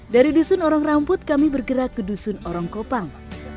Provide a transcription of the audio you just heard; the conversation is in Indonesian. dari dusun orang ramput kami bergerak ke dusun orang kopang